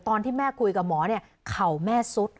ตอนที่แม่คุยกับหมอเข่าแม่ซุด